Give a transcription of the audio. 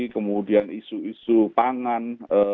kemudian isu isu pangan